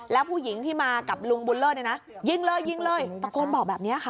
แล้วผู้หญิงที่มากับลุงบุญเลิศเนี่ยนะยิงเลยยิงเลยตะโกนบอกแบบนี้ค่ะ